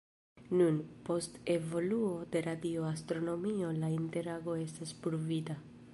Nun, post evoluo de radio-astronomio la interago estas pruvita.